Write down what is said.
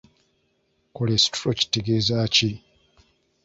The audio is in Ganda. Kolesitulo kitegezaaki?